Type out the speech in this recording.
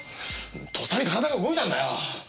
とっさに体が動いたんだよ！